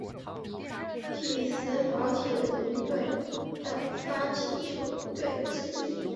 匹兹堡铁人队的发起球队之一。